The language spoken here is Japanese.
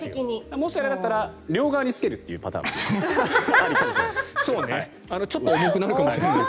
もし、あれだったら両側につけるというパターンもありかもしれないです。